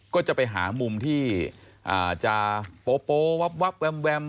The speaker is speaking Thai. ก็จะไปหามุมที่จะโป๊ะโป๊ะวับวับแวม